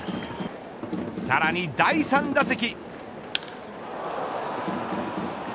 さらに第３打席。